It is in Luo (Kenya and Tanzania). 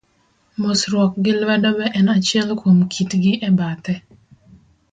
Mosruok gi lwedo be en achiel kuom kitgi e bathe.